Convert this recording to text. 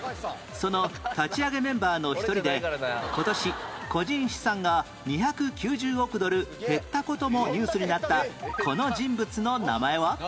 その立ち上げメンバーの１人で今年個人資産が２９０億ドル減った事もニュースになったこの人物の名前は？